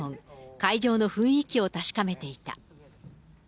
会場の雰囲気を確かめていた。